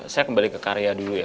saya kembali ke karya dulu ya